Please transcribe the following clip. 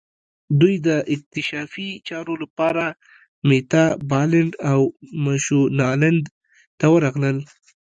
دوی د اکتشافي چارو لپاره میتابالنډ او مشونالند ته ورغلل.